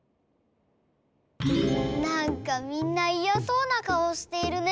なんかみんないやそうなかおしているね。